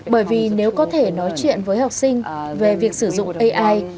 bởi vì nếu có thể nói chuyện với học sinh về việc sử dụng ai